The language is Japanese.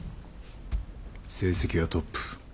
成績はトップ。